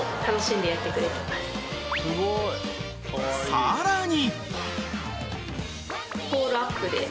［さらに］